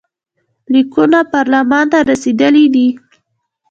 لیکونه پارلمان ته رسېدلي دي.